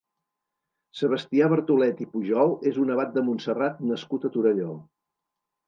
Sebastià Bardolet i Pujol és un abat de Montserrat nascut a Torelló.